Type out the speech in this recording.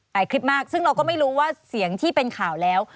คลิปมากซึ่งเราก็ไม่รู้ว่าเสียงที่เป็นข่าวแล้ว